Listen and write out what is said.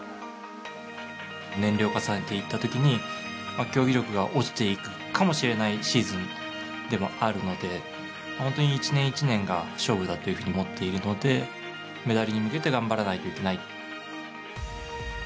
年齢を重ねていったときに競技力が落ちていくかもしれないシーズンでもあるので本当に、一年一年が勝負だというふうに思っているのでメダルに向けて頑張らないといけない。